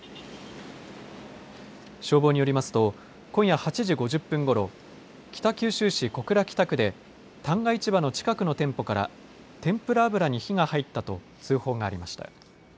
消防によりますと今夜８時５０分ごろ北九州市小倉北区で旦過市場の近くの店舗から天ぷら油に火が入ったと通報がありました。